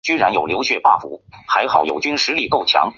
球队现在参加匈牙利足球甲级联赛的赛事。